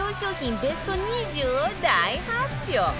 ベスト２０を大発表